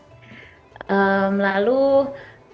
lalu kalau untuk sholat sendiri di barcelona hanya ada satu masjid